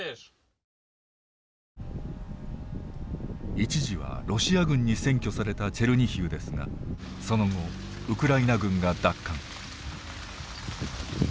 一時はロシア軍に占拠されたチェルニヒウですがその後ウクライナ軍が奪還。